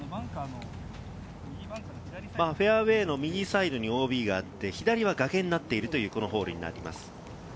フェアウエーの右サイドにＯＢがあって、左は崖になっているというこのホールになっています。